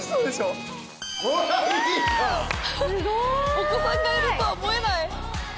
お子さんがいるとは思えない。